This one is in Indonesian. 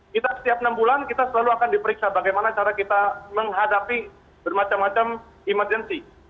kita setiap enam bulan kita selalu akan diperiksa bagaimana cara kita menghadapi bermacam macam emergency